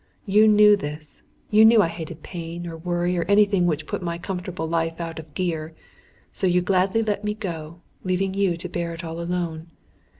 You knew this. You knew I hated pain, or worry, or anything which put my comfortable life out of gear. So you gladly let me go, leaving you to bear it all alone.